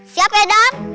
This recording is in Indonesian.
siap ya dam